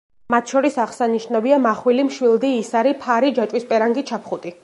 მათ შორის აღსანშნავია: მახვილი, მშვილდი, ისარი, ფარი, ჯაჭვის პერანგი, ჩაფხუტი.